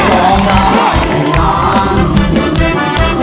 ร้องได้ให้ล้าน